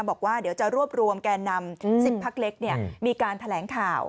บอกว่าเดี๋ยวจะรวบรวมแกนนำ๑๐พักเล็กมีการแถลงข่าว